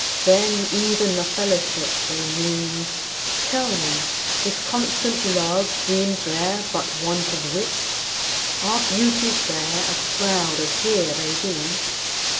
Then, even of fellowship, O Moon, tell me, Is constant love deem'd there but want of wit? Are beauties there as proud as here they be?